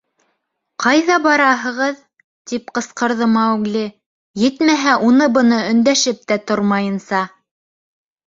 — Ҡайҙа бараһығыҙ? — тип ҡысҡырҙы Маугли, — етмәһә, уны-быны өндәшеп тә тормайынса?